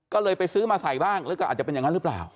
ก็เลยไปซื้อมาใส่บ้างหรือก็อาจจะเป็นอย่างนั้นหรือเปล่า